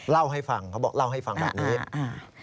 เล่าให้ฟังเขาบอกเล่าให้ฟังแบบนี้อ่า